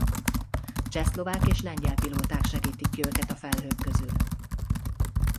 Csehszlovák és lengyel pilóták segítik ki őket a felhők közül.